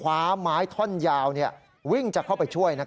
เพราะถูกทำร้ายเหมือนการบาดเจ็บเนื้อตัวมีแผลถลอก